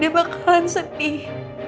dia bakalan sedih